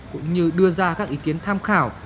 cũng như đưa ra các ý kiến tham khảo